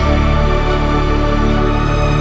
kita harus republican